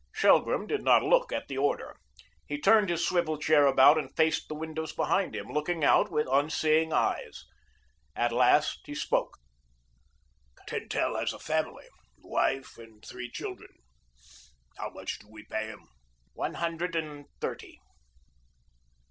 Shelgrim did not look at the order. He turned his swivel chair about and faced the windows behind him, looking out with unseeing eyes. At last he spoke: "Tentell has a family, wife and three children. How much do we pay him?" "One hundred and thirty."